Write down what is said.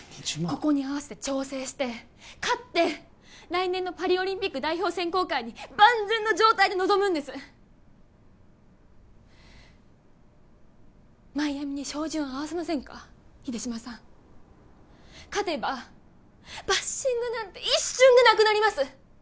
ここに合わせて調整して勝って来年のパリオリンピック代表選考会に万全の状態で臨むんですマイアミに照準を合わせませんか秀島さん勝てばバッシングなんて一瞬でなくなります